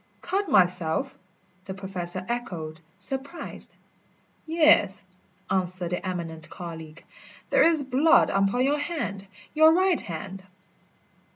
"Cut myself?" the Professor echoed, surprised. "Yes," answered the eminent colleague, "there is blood upon your hand your right hand."